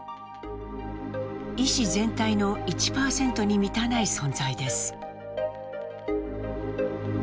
医師全体の１％に満たない存在です。